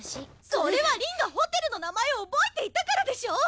それは凛がホテルの名前を覚えていたからでしょう！